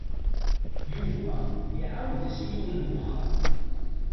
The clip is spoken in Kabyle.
Yuba iɛawed-as i yiwen n wexxam.